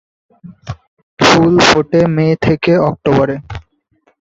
ফুল ফোটে মে থেকে অক্টোবরে।